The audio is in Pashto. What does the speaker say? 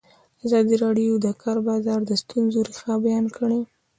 ازادي راډیو د د کار بازار د ستونزو رېښه بیان کړې.